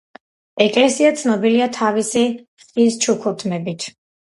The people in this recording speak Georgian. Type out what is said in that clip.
ეკლესია ცნობილია თავისი ხის ჩუქურთმებით.